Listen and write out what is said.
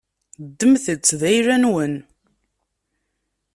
Ddmet-tt d ayla-nwen.